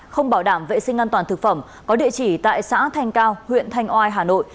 không bảo đảm vệ sinh an toàn thực phẩm có địa chỉ tại xã thanh cao huyện thanh oai hà nội